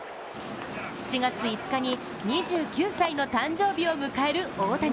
７月５日に２９歳の誕生日を迎える大谷。